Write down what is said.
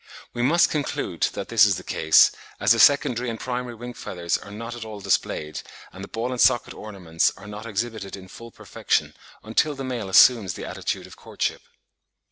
We must conclude that this is the case, as the secondary and primary wing feathers are not at all displayed, and the ball and socket ornaments are not exhibited in full perfection until the male assumes the attitude of courtship.